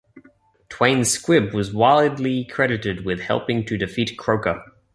Twain's squib was widely credited with helping to defeat Croker.